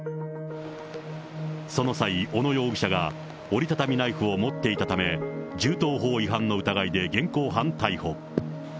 その際、小野容疑者が、折り畳みナイフを持っていたため、銃刀法違反の疑いで現行犯逮捕。